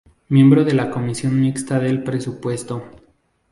Miembro de la Comisión Mixta de Presupuesto.